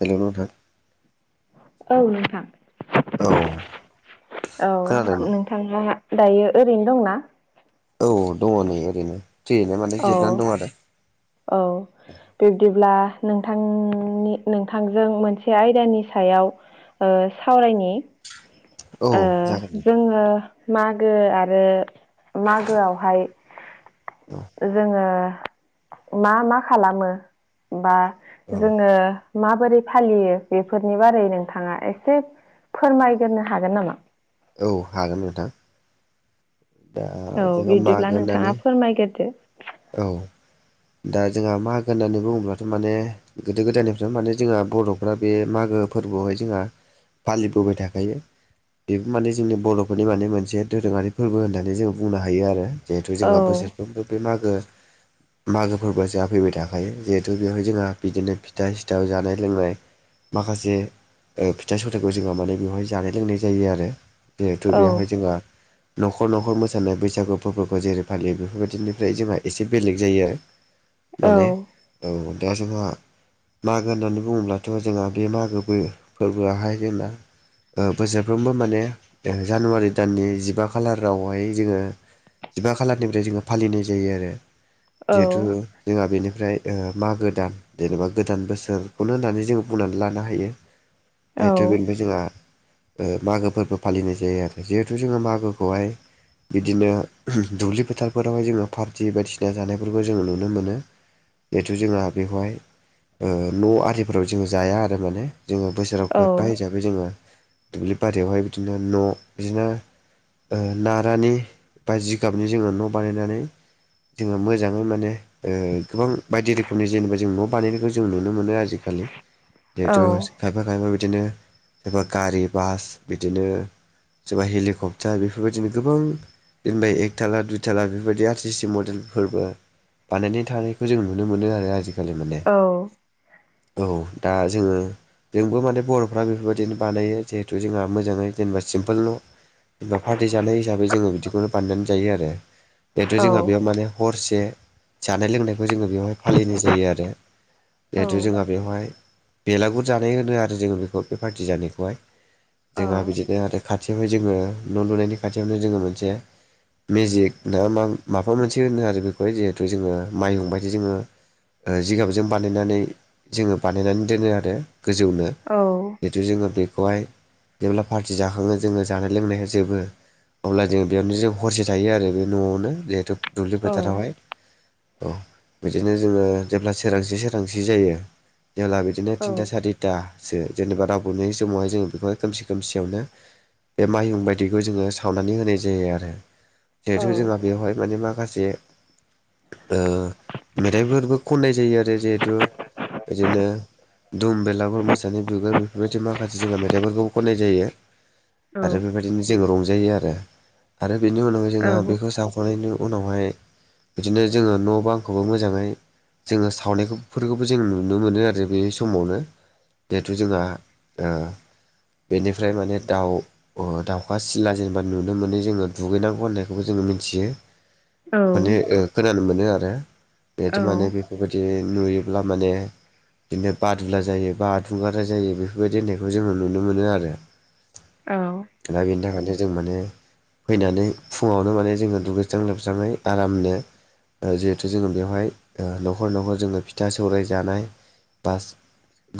Hello नोंथां। औ नोंथां औ औ खोनादों नों नोंथाङा दायो ओरैनो दंना? औ दङ नै ओरैनो फ्रियैनो माने औ जिरनानै दं आरो। औ। बिब्दिब्ला नोंथांनि नोंथांजों मोनसे आयदानि सायाव ओ सावरायनि औ जागोन दे जोङो मागो आरो मागोआवहाय औ जोङो मा मा खालामो बा औ जोङो माबोरै फालियो बेफोरनि बारै नोंथाङा एसे फोरमाय गोरनो हागोन नामा? औ हागोन नोंथां। दा औ जोंहा बिब्दिब्ला मागो नोंथाङा होननानै फोरमायग्रोदो। औ। दा जोंहा मागो होननानै बुङोब्लाथ' माने गोदो गोदायनिफ्राय माने जोंहा बर'फ्रा बे मागो फोरबोआवहाय जोंहा फालिबोबाय थाखायो। बेबो माने जोंनि बर'फोरनि माने मोनसे दोरोङारि फोरबो होनना नै जों बुंनो हायो आरो। जिहेथु औ जोंहा बोसोरफ्रोमबो बे मागो मागोफोरबोआ जाहा फैबाय थाखायो। जिहेथु बेवहाय जोंहा बिदिनो फिथा सिथाव जानाय लोंनाय माखासे ओ फिथा सथाखौ जोंहा माने बेवहाय जानाय लोंनाय जायो आरो। जिहेथु औ बेवहाय जोंहा न'खर न'खर मोसानाय बैसागु फोरबोखौ जेरै फालियो बेफोरबायदिनिफ्राय जोंहा एसे बेलेग जायो आरो। माने औ। औ दा जोंहा मागो होननानै बुङोब्लाथ' जोंहा बे मागो बो फोरबोआहाय जोंना ओ बोसोरफ्रोमबो माने ओ जानुवारि दाननि जिबा खालारावहाय जोङो जिबा खालारनिफ्राय जोङो फालिनाय जायो आरो। औ जिहेथु जोंहा बेनिफ्राय ओ मागो दान। जेनेबा गोदान बोसोरखौनो होननानै जों बुंनानै लानो हायो। जिहेथु बेनिफाय जोंहा ओ मागो फोरबो फालिनाय जायो आरो। जिहेथु जोङो मागोखौहाय बिदिनो दुब्लि फोथारफोरावहाय जोङो पार्टि बायदिसिना जानायफोरखौ जोङो नुनो मोनो। जिहेथु जोंहा बेवहाय ओ न' आरिफोराव जोङो जाया आरो माने। जोङो बोसोराव फोथथा हिसाबै जोङो दुब्लि बारियावहाय बिदिनो न' बिदिनो ओ नारानि बा जिगाबनि जोङो न' बानायनानै जोङो मोजाङै माने ओ गोबां बायदि रोखोमनि जेनेबा जों न' बानायनायखौ जों नुनो मोनो आजिखालि। जिहेतु खायफा खायफा बिदिनो सोरबा गारि बास बिदिनो सोरबा हेलिकप् दा बेफोरबायदिनो गोबां जेनेबा एकथाला दुइथाला बेफोरबायदि आर सि सि मडेल फोरबो बानायनाय थानायखौ जों नुनो मोनो आरो आजिखालि माने। औ औ दा जोङो जोंबो माने बर'फ्रा बेफोरबायदिनो बानायो। जिहेथु जोंहा मोजाङै जेनेबा सिम्पोल न'। जेनबा पार्टि जानाय हिसाबै जोङो बिदिखौनो बानायनानै जायो आरो। जिहेथु जोंहा बेयाव माने हरसे जानाय लोंनायखौ जोङो बेवहाय फालिनाय जायो आरो। जिहेथु जोंहा बेवहाय बेलागुर जानाय होनो आरो जोङो बेखौ बे पार्टि जानायखौहाय। जोंहा बिदिनो आरो खाथियावहाय जोङो न' लुनायनि खाथियावनो जोङो मोनसे मेजिक ना मा माबा मोनसे होनो आरो बेखौहाय जिहेथु जोङो माइहुं बायदि जोङो ओ जिगाबजों बानायनानै जोङो बानायनानै दोनो आरो गोजौनो। औ। जिहेतु जोङो बेखौहाय जेब्ला पार्टि जाखाङो जोङो जानाय लोंनाय हो जोबो अब्ला जों बेयावनो जों हरसे थायो आरो बे न'आवनो जिहेथु दुब्लि फोथारावहाय। औ, बिदिनो जोङो जेब्ला सोरांसि सोरांसि जायो। जेब्ला बिदिनो थिनथा सारि थासो जेनेबा रावबो नुयै समावहाय जों बेखौहाय खोमसि खोमसियावनो बे माइहुं बाय दिखौ जोङो सावनानै होनाय जायो आरो। जिहेथु जोंहा बेवहाय माने माखासे ओ मेथाइफोरबो खननाय जायो आरो जिहेथु इदिनो दुम बेलागुर मोसानि बिगुर बेफोरबायदि माखासे जोंहा मेथाइफोरखौ खननाय जायो। औ। दिनो जों रंजायो आरो। आरो बेनि उनावहाय जोंहा बेखौ सावखांनायनि उनावहाय बिदिनो जोङो न' बांखौबो मोजाङै जोङो सावनायखौफोरखौबो जों नुनो मोनो आरो बे समावनो। देहुथु जोंहा ओ बेनिफ्राय माने दाउ ओ दाउखा सिला जेनेबा नुनो मोनै जोङो दुगैनांगौ होननायखौबो जोङो मिन्थियो। माने ओ खोनानो मोनो आरो। बेहेथु' माने बे बेबायदि नुयोब्ला माने बिदिनो बादुला जायो बा दुंगारा जायो बेफोरबायदि होननायखौ जोङो नुनो मोनो आरो। औ। दा बेनि थाखायनो जों माने फैनानै फुङावनो माने जोङो दुगैस्रां लोबस्राङै आरामनो ओ जिहेथु जोङो बेवहाय ओ न'खर न'खर जोङो फिथा, सौराइ जानाय बास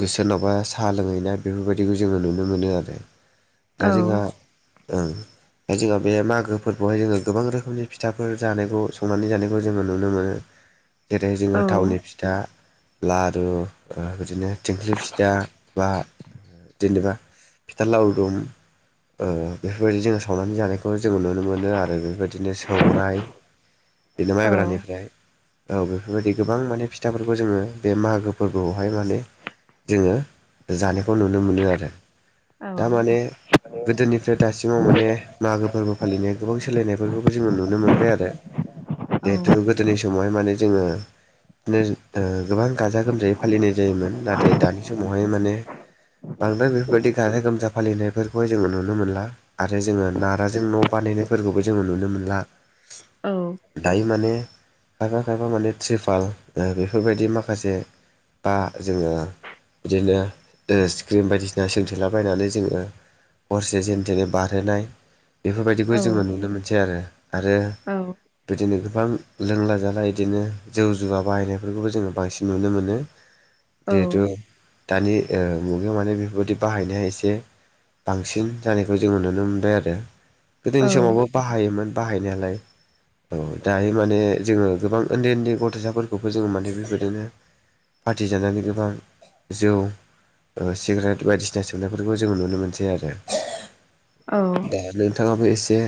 गोसोरनावबा साहा लोंहैनाय बेफोरबायदिखौ जोङो नुनो मोनो आरो दा जोंहा ओं। जोंहा बे मागो फोरखौहाय जोङो गोबां रोखोमनि फिथाफोर जानायखौ सौनानै जानायखौ जोङो नुनो मोनो। जेरै जोङो थावनि फिथा लारु ओ बिदिनो थिंख्लि फिथा बा जेनेबा फिथा लावदुम ओ बेफोरबायदि जोङो सावनानै जानायखौ जोङो नुनो मोनो आरो बेफोरबायदिनो सौराय दिनो माइब्रानिफ्राय औ बेफोरबायदि गोबां माने फिथाफोरखौ जोङो बे मागो फोरबोआवहाय माने जोङो जानायखौ नुनो मोनो आरो दा माने गोदोनिफ्राय दासिमाव माने मागो फोरबो फालिनाय गोबां सोलायनायफोरखौबो जोङो नुनो मोनबाय आरो। जिहेथु गोदोनि समावहाय माने जोङो दिनो ओ गोबां गाजा गोमजायै फालिनाय जायोमोन नाथाय दानि समावहाय माने बांद्राय बेफोरबायदि गाजा गोमजा फालिनायफोर खौहाय जोङो नुनो मोनला आरो जोङो नाराजों न' बानायनायफोरखौबो जोङो नुनो मोनला। दायो माने खायफा खायफा माने त्रिपाल ओ बेफोरबायदि माखासे बा जोङो बिदिनो ओ स्क्रिम बायदिसिना सोंथेलाबायनानै जोङो हरसे जेन थेनै बारहोनाय बेफोरबायदिखौ जोङो नुनो मोनसै आरो आरो बिदिनो गोबां लोंला जाला इदिनो जौ जुवा बाहायनायफोरखौबो जोङो बांसिन नुनो मोनो। जिहेथु दानि ओ मुगायाव माने बेफोरबायदि बाहायनाया एसे बांसिन जानायखौ जोङो नुनो मोनबाय आरो गोदोनि समावबो बाहायोमोन बाहायनायालाय। औ दायो माने जोङो गोबां ओन्दै ओन्दै गथ'साफोरखौबो जोङो माने बेबायदिनो पार्टि जानानै गोबां जौ ओ सिगरेट बायदिसिना सोमनायफोरखौ जोङो नुनो मोनसै आरो। औ। दा नोंथाङाबो एसे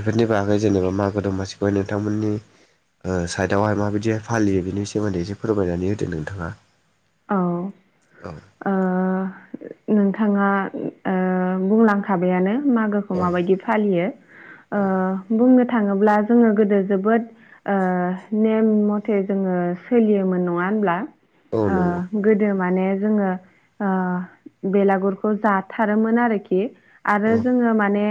बेफोरनि बागै जेनेबा मागो दमासिखौहाय नोंथांमोननि ओ साइदावहाय माबायदिहाय फालियो बिनि सोमोन्दै एसे फोरमायनानै होदों नोंथाङा। औ औ औ। ओ नोंथाङा ओ बुंलांखाबायानो मागो खौ औ माबायदि फालियो औ ओ बुंनो थाङोब्ला जोङो गोदो जोबोद ओ नेम मथे जोङो सोलियोमोन नङा होनब्ला? औ ओ नंगौ। गोदो माने जोङो ओ बेलागुरखौ जाथारोमोन आरोखि। औ आरो जोङो माने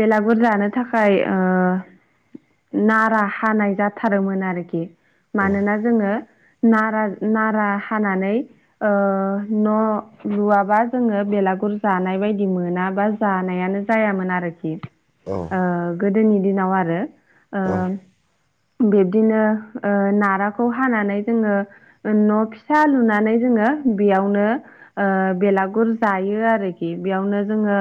बेलागुर जानो थाखाय ओ नारा हानाय जाथारोमोन आरोखि। औ मानोना जोङो नारा नारा हानानै ओ न' लुवाबा जोङो बेलागुर जानाय बायदि मोना बा जानायानो जायामोन आरोखि। औ। ओ गोदोनि दिनाव आरो अ बिबदिनो ओ नाराखौ हानानै जोङो न' फि सा लुनानै जोङो बेयावनो ओ बेलागुर जायो आरोखि बेयावनो जोङो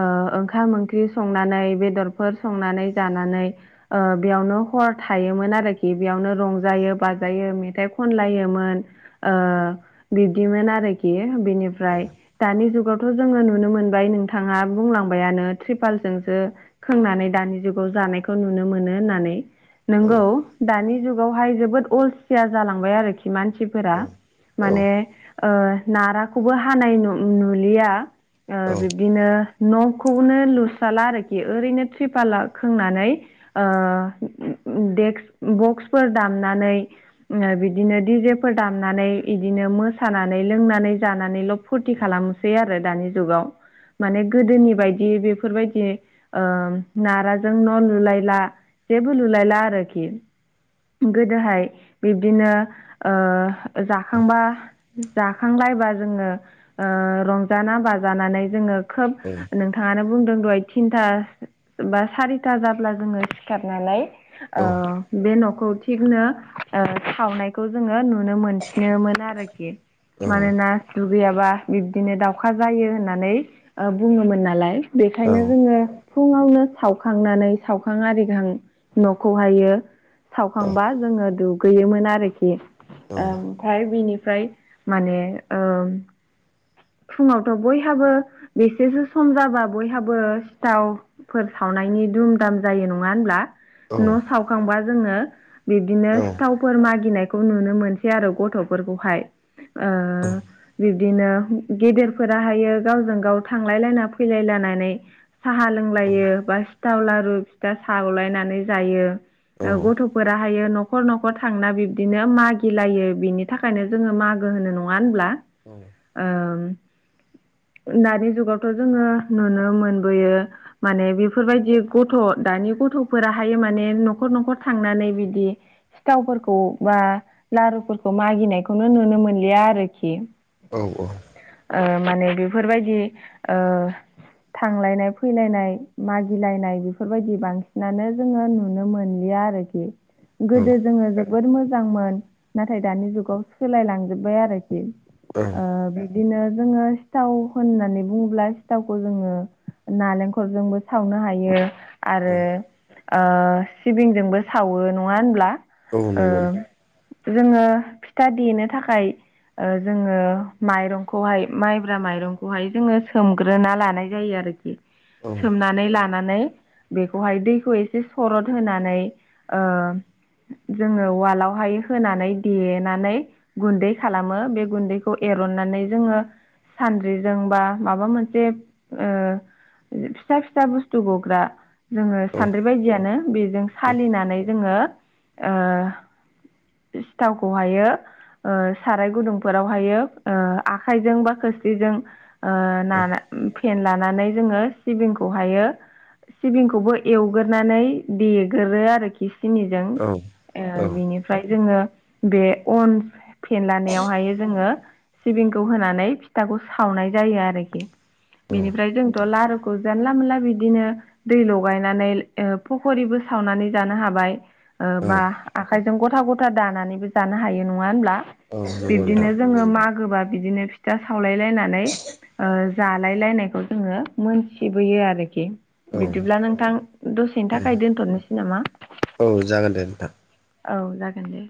ओ ओंखाम-ओंख्रि संनानै बेदरफोर संनानै जानानै ओ बेयावनो हर थायोमोन आरोखि बेयावनो रंजायो बाजायो मेथाइ खनलायोमोन ओ बिब्दिमोन आरोखि औ बिनिफ्राय दानि जुगावथ' जोङो नुनो मोनबाय नोंथाङा बुंलांबायानो त्रिपालजोंसो खोंनानै दानि जुगाव जानायखौ नुनो मोनो होननानै औ नोंगौ दानि जुगावहाय जोबोद अलसिया जालांबाय आरोखि मानसिफोरा औ माने ओ नाराखौबो हानाय नु-नुलिया ओ बिब दिनो न'खौनो लुस्राला आरोखि ओरैनो थ्रिपाल खोंनानै ओ देक्स बक्सफोर दामनानै ओ बिदिनो दिजेफोर दाम नानै इदिनो मोसानानै लोंनानै जानानैल' फुरथि खालामसै आरो दानि जुगाव माने गोदोनि बायदि बेफोरबायदि ओ नाराजों न' लुलायला जेबो लुलायला आरोखि गोदोहाय बिबदिनो ओ जाखांबा जाखांलायबा जोङो ओ रंजाना बाजानानै जोङो खोब औ नोंथांङानो बुंदों दह'य थिनथा बा सारिथा जाब्ला जोंङो सिखारनानै औ नंगौ औ ओ बे न'खौ थिगनो ओ सावनायखौ जोङो नुनो मोन खिनोमोन आरोखि मानोना दुगैयाबा बिब्दिनो दावउखा जायो होननानै ओ बुङोमोन नालाय बेखायनो जोङो फुङावनो सावखांनानै सावखां आरि गां न'खौहायो सावखांबा जोङो दुगैयोमोन आरोखि ओम फ्राय बिनिफ्राय माने ओम फुङावथ' बयहाबो बेसेसो सम जाबा बयहाबो सिथाव फोर सावनायनि दुम दाम जायो नङा होनब्ला? न' सावखांबा जोङो बिदिनो सिथाव फोर मागिनायखौ नुनो मोनसै आरो गथ'फोरखौहाय ओ बिब बिदिनो गेदेरफोराहायो गावजों गाव थांलायलायना फैलायलायनानै साहा लों लायो बा सिथाव लारु फिथा सावलायनानै जायो ओ गथ' फोराहायो न'खर न'खर थांना बिबदिनो मागिलायो बिनि थाखायनो जोंङो मागो होनो नंङा होनब्ला? ओम ओम दानि जुगावथ' जोंङो नुनो मोनबोयो माने बिफोरबायदि गथ' दानि गथ'फोराहायो माने न'खर न'खर थांनानै बिदि सिथावफोरखौ बा लारुफोरखौ मागिनायखौनो नुनो मोनलिया आरोखि औ औ ओ माने बेफोरबायदि ओ थांलायनाय फैलायनाय मागिलायनाय बेफोरबायदि बांसिनानो जोङो नुनो मोनलिया आरो [inaudible] गोदो जोङो जोबोद मोजांमोन नाथाय दानि जुगाव सोलायलांजोब्बाय आरोखि ओ बिदिनो जोङो सिथाव होननानै बुङोब्ला सिथावखौ जोङो नालेंखरजोंबो सावनो हायो। आरो ओ सिबिंजोंबो सावो नङा होनब्ला? ओ जोङो फिथा देनो थाखाय ओ जोङो माइरं खौहाय माइब्रा माइरंखौहाय जोङो सोमग्रोना लानाय जायो आरोखि सोमना नै लानानै बेखौहाय दैखौ एसे सरद होनानै ओ जोङो उवालावहाय होनानै देनानै गुन्दै खालामो बे गुन्दैखौ एरननानै जोङो सानद्रिजों बा माबा मोनसे ओ फिसा फिसा बुस्थु गग्रा जोङो सान्द्रि बायदियानो बेजों सालिनानै जोङो ओ सिथावखौहायो ओ साराय गुदुंफोरावहायो ओ आखायजों बा खोरस्लिजों ओ नाना फेनलानानै जोङो सिबिंखौहायो सिबिंखौबो एवगोरनानै देगोरो आरोखि सिनि जों ओ बिनिफ्राय जोङो बे अन फेनलानायावहाय जोङो सिबिंखौ होनानै फिथाखौ सावनाय जायो आरोखि बेनिफ्राय जोंथ' लारु जानला मोनला बिदिनो दै लगायनानै ओ फखरिबो सावनानै जानो हाबाय। ओ बा आखायजों गथा गथा दानानैबो जानो हायो नङा होनब्ला? नंगौ बिब्दिनो नोंथां जोङो मागोबा बिदिनो फिथा सावलायलायनानै ओ जालाय लायनायखौ जोङो मोनथिबोयो आरोखि। औ बिदिब्ला नोंथां दसेनि औ थाखाय दोनथ'नोसै नामा? औ जागोन दे नोंथां औ जागोन दे।